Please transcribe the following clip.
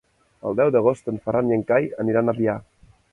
El deu d'agost en Ferran i en Cai aniran a Avià.